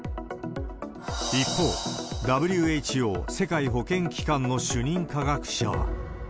一方、ＷＨＯ・世界保健機関の主任科学者は。